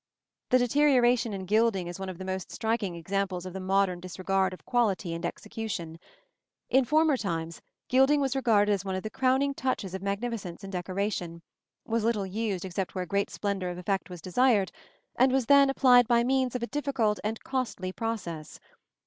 The deterioration in gilding is one of the most striking examples of the modern disregard of quality and execution. In former times gilding was regarded as one of the crowning touches of magnificence in decoration, was little used except where great splendor of effect was desired, and was then applied by means of a difficult and costly process.